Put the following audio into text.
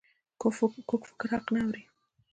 کوږ فکر حق نه اوري